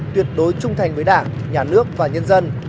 tuyệt đối trung thành với đảng nhà nước và nhân dân